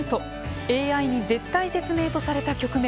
ＡＩに絶体絶命とされた局面。